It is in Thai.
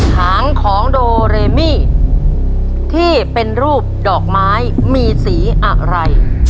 หางของโดเรมี่ที่เป็นรูปดอกไม้มีสีอะไร